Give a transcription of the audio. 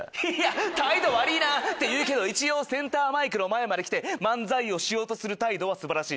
態度悪ぃな！っていうけどセンターマイクの前まで来て漫才をしようとする態度は素晴らしい！